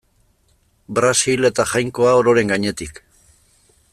Brasil eta Jainkoa ororen gainetik.